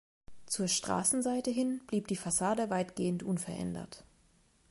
Zur Straßenseite hin blieb die Fassade weitgehend unverändert.